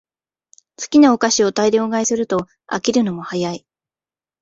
好きなお菓子を大量買いすると飽きるのも早い